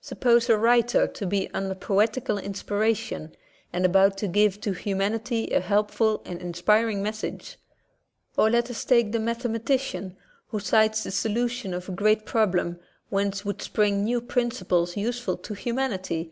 Sup pose a writer to be under poetical inspiration, and about to give to humanity a helpful and inspiring message. Or let us take the mathe matician who sights the solution of a great problem whence would spring new principles useful to humanity.